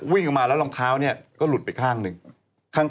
วิ่งออกมาแล้วรองเท้าเนี่ยก็หลุดไปข้างหนึ่ง